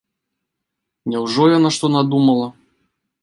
Няўжо яна што надумала?